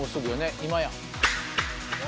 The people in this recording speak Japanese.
今や！